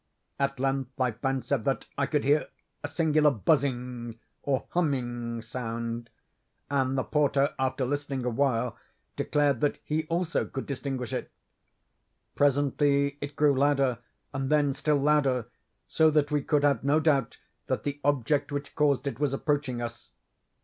At length I fancied that I could hear a singular buzzing or humming sound; and the porter, after listening awhile, declared that he also could distinguish it. Presently it grew louder, and then still louder, so that we could have no doubt that the object which caused it was approaching us.